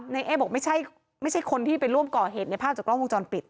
เอ๊บอกไม่ใช่คนที่ไปร่วมก่อเหตุในภาพจากกล้องวงจรปิด